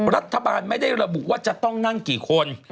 รัฐบาลไม่ได้ระบุว่าจะต้องนั่งกี่คน